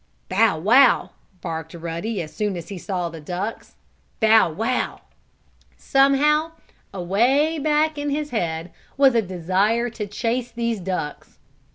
"Bow wow!" barked Ruddy, as soon as he saw the ducks. "Bow wow!" Somehow away back in his head was a desire to chase these ducks.